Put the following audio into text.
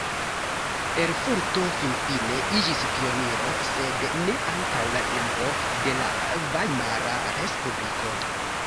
Erfurto finfine iĝis pioniro, sed ne antaŭ la tempo de la Vajmara Respubliko.